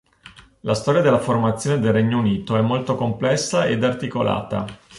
La storia della formazione del Regno Unito è molto complessa ed articolata.